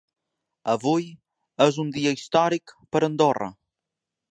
Avui és un dia històric per a Andorra.